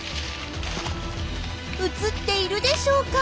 映っているでしょうか。